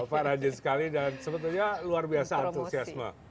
pak rajin sekali dan sebetulnya luar biasa antusiasme